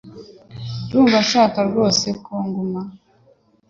Ndumva udashaka rwose ko nguma